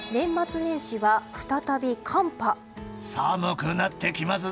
寒くなってきますぞ。